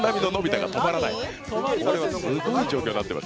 これはすごい状況になってます。